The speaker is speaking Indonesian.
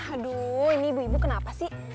aduh ini ibu ibu kenapa sih